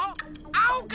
あおか？